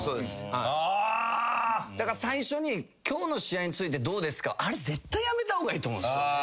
だから最初に「今日の試合についてどうですか」あれ絶対やめた方がいいと思うんすよ。